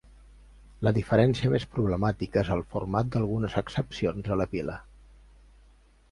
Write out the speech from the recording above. La diferència més problemàtica és el format d'algunes excepcions a la pila.